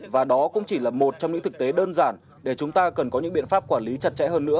và đó cũng chỉ là một trong những thực tế đơn giản để chúng ta cần có những biện pháp quản lý chặt chẽ hơn nữa